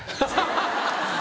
ハハハハ！